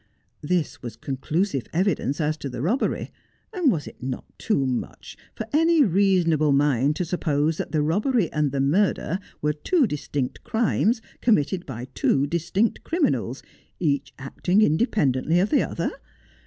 This was conclusive evidence as to the robbery, and was it not too much for any reasonable mind to suppose that the robbery and the murder were two distinct crimes committed by two distinct criminals, each acting independently of the other?